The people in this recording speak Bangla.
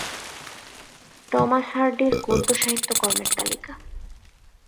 টমাস হার্ডির গদ্য সাহিত্যকর্মের তালিকা,